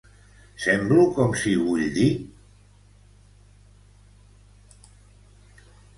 Semblo com si ho vull dir?